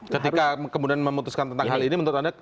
ketika kemudian memutuskan tentang hal ini menurut anda